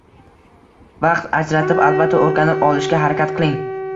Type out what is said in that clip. Vaqt ajratib, albatta o’rganib olishga harakat qiling